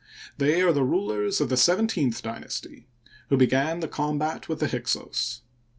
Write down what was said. They are the rulers of the seventeenth dynasty who began the combat with the Hyksos.